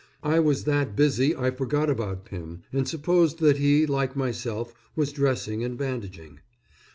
I was that busy I forgot about Pymm, and supposed that he, like myself, was dressing and bandaging.